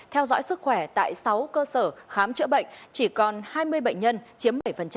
theo dõi sức khỏe tại sáu cơ sở khám chữa bệnh chỉ còn hai mươi bệnh nhân chiếm bảy